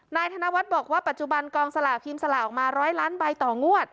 ธนวัฒน์บอกว่าปัจจุบันกองสลากพิมพ์สลากออกมา๑๐๐ล้านใบต่องวด